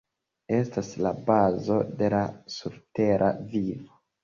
Estas la bazo de la surtera vivo.